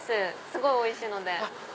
すごいおいしいので。